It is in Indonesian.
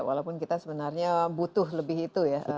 walaupun kita sebenarnya butuh lebih itu ya